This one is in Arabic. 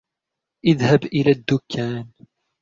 اذهب إلى الدكان.